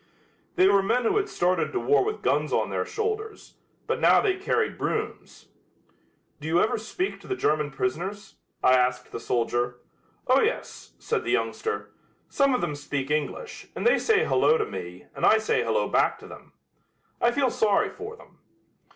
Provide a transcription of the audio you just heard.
They were men who had started to war with guns on their shoulders, but now they carried brooms. "Do you ever speak to the German prisoners?" I asked the soldier. "Oh, yes," said the youngster; "some of them speak English, and they say 'Hello' to me and I say 'Hello' back to them. I feel sorry for them."